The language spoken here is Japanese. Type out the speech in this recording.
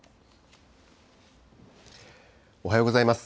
おはようございます。